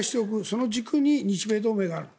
その軸に日米同盟がある。